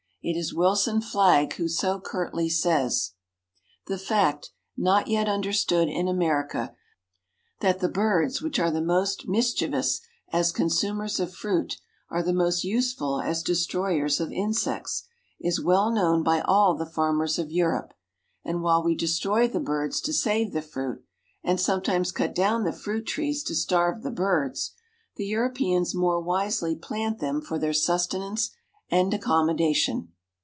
It is Wilson Flagg who so curtly says: "The fact, not yet understood in America, that the birds which are the most mischievous as consumers of fruit are the most useful as destroyers of insects, is well known by all the farmers of Europe; and while we destroy the birds to save the fruit, and sometimes cut down the fruit trees to starve the birds, the Europeans more wisely plant them for their sustenance and accommodation."